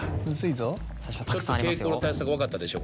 ちょっと傾向と対策分かったでしょ